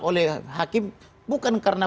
oleh hakim bukan karena